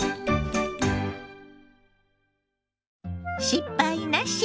「失敗なし！